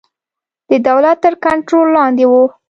د دولت تر کنټرول لاندې وو.